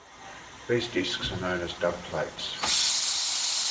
These discs are known as dubplates.